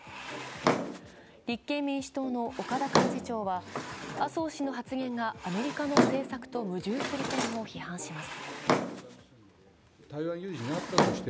立憲民主党の岡田幹事長は麻生氏の発言がアメリカの政策と矛盾する点を批判します。